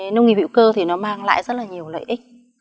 nông nghiệp hữu cơ mang lại rất nhiều lợi ích